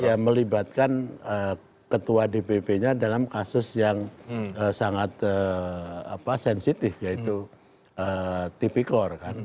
ya melibatkan ketua dpp nya dalam kasus yang sangat sensitif yaitu tipikor kan